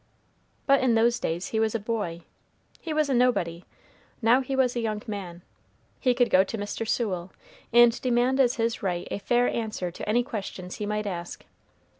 But in those days he was a boy, he was nobody, now he was a young man. He could go to Mr. Sewell, and demand as his right a fair answer to any questions he might ask.